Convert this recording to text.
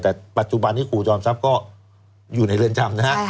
แต่ปัจจุบันนี้ครูจอมทรัพย์ก็อยู่ในเรือนจำนะฮะ